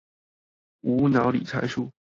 無腦理財術